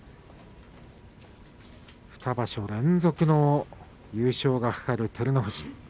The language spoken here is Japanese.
２場所連続の優勝が懸かる照ノ富士。